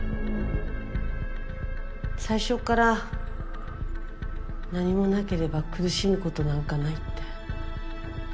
最初から何もなければ苦しむことなんかないって。